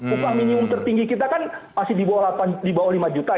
upah minimum tertinggi kita kan masih di bawah lima juta